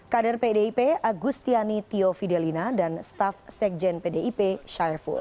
kader pdip agustiani tio fidelina dan staff sekjen pdip syaiful